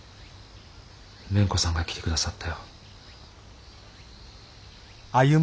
蓮子さんが来て下さったよ。